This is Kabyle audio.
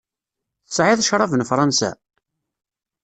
Tesεiḍ ccrab n Fransa?